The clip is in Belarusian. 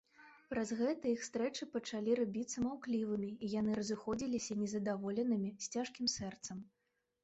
Праз гэта іх стрэчы пачалі рабіцца маўклівымі, і яны разыходзіліся нездаволенымі, з цяжкім сэрцам.